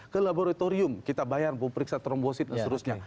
ke laboratorium kita bayar periksa trombosit dan seterusnya